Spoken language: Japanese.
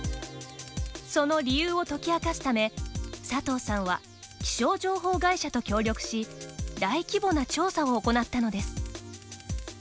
その理由を解き明かすため佐藤さんは気象情報会社と協力し大規模な調査を行ったのです。